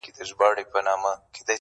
سل سهاره جاروم له دې ماښامه,